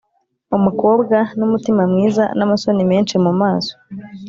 Umukobwa numutima mwiza namasoni menshi mumaso